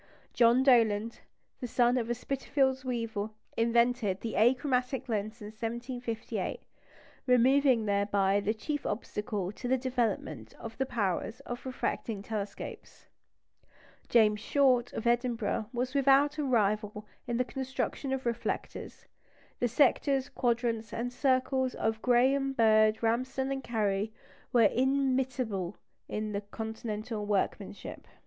John Dollond, the son of a Spitalfields weaver, invented the achromatic lens in 1758, removing thereby the chief obstacle to the development of the powers of refracting telescopes; James Short, of Edinburgh, was without a rival in the construction of reflectors; the sectors, quadrants, and circles of Graham, Bird, Ramsden, and Cary were inimitable by Continental workmanship.